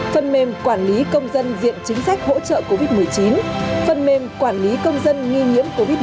phần mềm quản lý công dân diện chính sách hỗ trợ covid một mươi chín phần mềm quản lý công dân nghi nhiễm covid một mươi chín